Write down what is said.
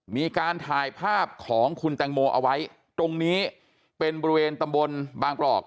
มีการถ่ายภาพของคุณแตงโมเอาไว้ตรงนี้เป็นบริเวณตำบลบางปรอก